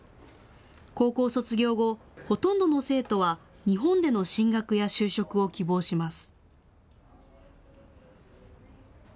高校卒業後、ほとんどの生徒は日本での進学や就職を希望します。